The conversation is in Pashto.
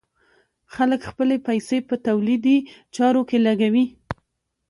خلک خپلې پيسې په تولیدي چارو کې لګوي.